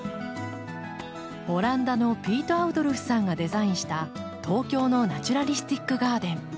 オランダのピート・アウドルフさんがデザインした東京のナチュラリスティックガーデン。